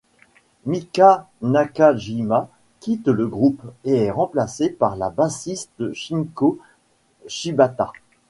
Mika Nakajima quitte le groupe et est remplacée par la bassiste Shinko Shibata.